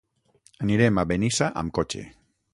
Anirem a Benissa amb cotxe.